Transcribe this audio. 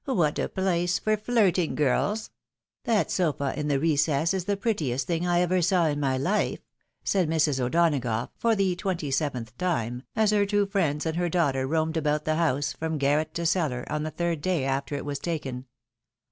What a place for flirting, girls ! That sofa in the recess is the prettiest thing I ever saw in my life," said Mrs. O'Donagough, for the twenty seventh time, as her two friends and her daughter roamed about the house, from garret to cellar, on the third day after it was taken.